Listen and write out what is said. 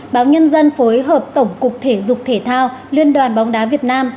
báo nhân dân phối hợp tổng cục thể dục thể thao liên đoàn bóng đá việt nam